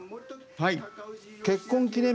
はい。